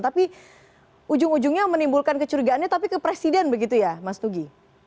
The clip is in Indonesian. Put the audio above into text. tapi ujung ujungnya menimbulkan kecurigaannya tapi ke presiden begitu ya mas tugi